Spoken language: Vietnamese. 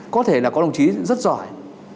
có thể là có đồng chí rất giỏi